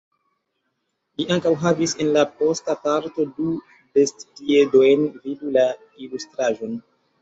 Li ankaŭ havis en la posta parto du bestpiedojn vidu la ilustraĵon.